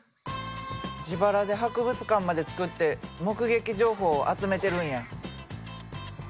自腹で博物館までつくって目撃情報を集めてるんや。